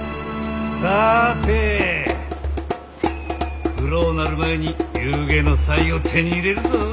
さて暗うなる前に夕げの菜を手に入れるぞ！